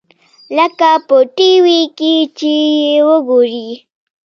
لکه په ټي وي کښې چې يې وګورې.